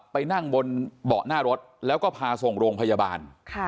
ไปนั่งบนเบาะหน้ารถแล้วก็พาส่งโรงพยาบาล